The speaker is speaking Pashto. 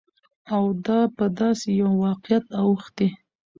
او دا په داسې يوه واقعيت اوښتى،